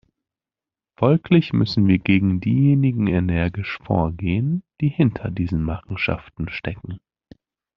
Folglich müssen wir gegen diejenigen energisch vorgehen, die hinter diesen Machenschaften stecken.